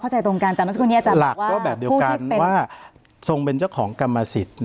ใช่ไม่